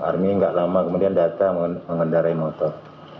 army gak lama kemudian datang mengendarai motor